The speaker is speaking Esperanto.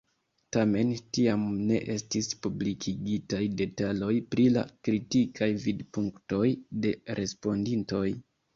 Tamen tiam ne estis publikigitaj detaloj pri la kritikaj vidpunktoj de respondintoj.